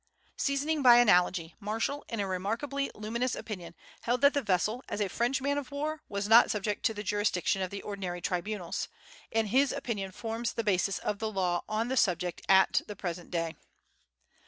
Seasoning by analogy, Marshall, in a remarkably luminous opinion, held that the vessel, as a French man of war, was not subject to the jurisdiction of the ordinary tribunals; and his opinion forms the basis of the law on the subject at the present day.